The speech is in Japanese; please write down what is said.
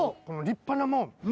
この立派な門。